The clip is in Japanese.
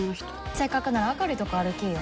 せっかくなら明るいとこ歩きいよ。